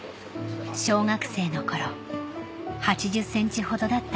小学生の頃８０ｃｍほどだった